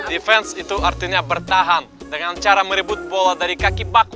defense itu artinya bertahan dengan cara meribut bola dari kaki paku